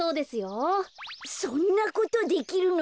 そんなことできるの？